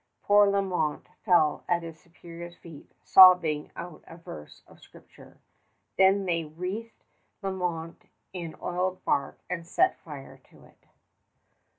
Poor Lalemant fell at his superior's feet, sobbing out a verse of Scripture. Then they wreathed Lalemant in oiled bark and set fire to it.